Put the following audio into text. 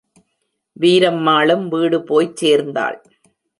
வீரம்மாளும் வீடு போய்ச் சேர்ந்தாள்.